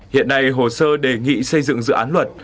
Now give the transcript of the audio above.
hiện nay hồ sơ đề nghị xây dựng dự án luật